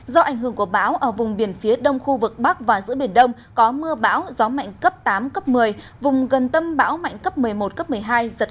do ảnh hưởng của bão ở vùng biển phía đông khu vực bắc và giữa biển đông có mưa bão gió mạnh cấp tám cấp một mươi vùng gần tâm bão mạnh cấp một mươi một cấp một mươi hai giật cấp một mươi năm biển động dữ dội cảnh báo cấp độ rủi ro thiên tai do bão cấp ba